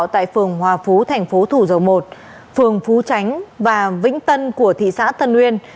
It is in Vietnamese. tại phường hòa phú thành phố thủ dầu một phường phú tránh và vĩnh tân của thị xã tân uyên